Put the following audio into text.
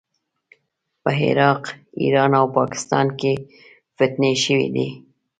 په عراق، ایران او پاکستان کې فتنې شوې دي.